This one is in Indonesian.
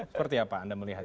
seperti apa anda melihat